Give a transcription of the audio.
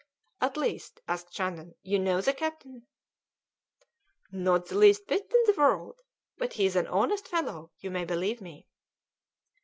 "At least," asked Shandon, "you know the captain?" "Not the least bit in the world! But he is an honest fellow, you may believe me."